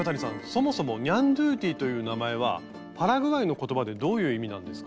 そもそもニャンドゥティという名前はパラグアイの言葉でどういう意味なんですか？